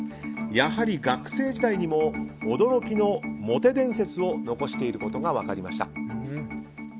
やはり学生時代にも驚きのモテ伝説を残していることが分かりました。